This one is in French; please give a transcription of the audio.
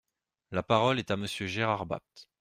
La parole est à Monsieur Gérard Bapt.